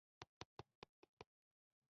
خولې ته يې واچوله.